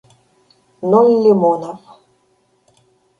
ноль лимонов